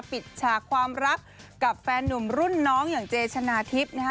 ฉากความรักกับแฟนหนุ่มรุ่นน้องอย่างเจชนะทิพย์นะคะ